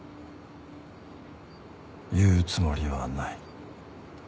言うつもりはない。